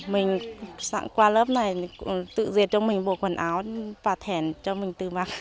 mình sẵn qua lớp này tự dệt cho mình bộ quần áo bà thèn cho mình tự mặc